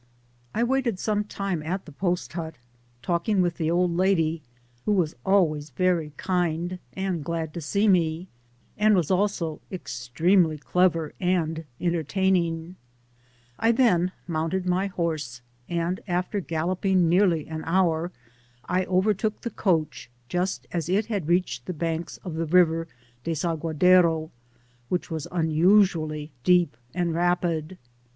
I WAITED some time at the post but^ tcdkii^ with the old lady^ who was alwayn very kind and glad to see me, and was also extremely cleva: aod enter * taining; I then mounted my hqrse, and^ afier gal* loping nearly an hour, I overtook the coach just as it had reached the banks (^ the river Desaguadero, which was unusually deqp and rapid.